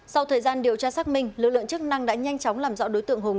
sau thời gian điều tra xác minh lực lượng chức năng đã nhanh chóng làm rõ đối tượng hùng